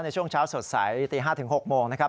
ในช่วงเช้าสดใสตี๕ถึง๖โมงนะครับ